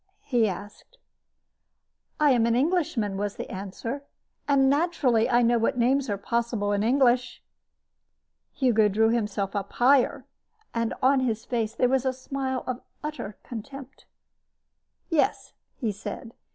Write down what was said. asked he. "I am an Englishman," was the answer, "and naturally I know what names are possible in English." Hugo drew himself up still higher, and on his face there was a smile of utter contempt. "Yes," said he.